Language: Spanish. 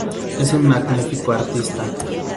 Es un magnífico artista.